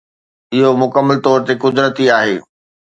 اهو مڪمل طور تي قدرتي آهي.